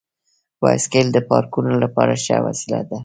بایسکل د پارکونو لپاره ښه وسیله ده.